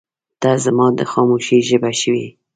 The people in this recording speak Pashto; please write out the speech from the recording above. • ته زما د خاموشۍ ژبه شوې.